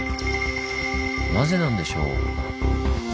なぜなんでしょう？